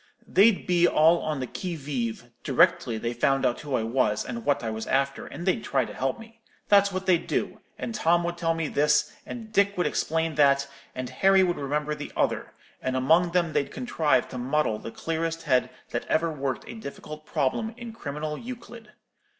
They'd be all on the qui vive directly they found out who I was, and what I was after, and they'd try to help me. That's what they'd do; and Tom would tell me this, and Dick would explain that, and Harry would remember the other; and among them they'd contrive to muddle the clearest head that ever worked a difficult problem in criminal Euclid.